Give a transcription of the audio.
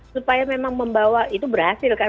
supaya memang membawa itu berhasil kan